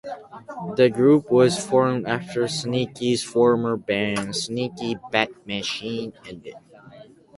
The group was formed after Sneaky's former band, Sneaky Bat Machine, ended.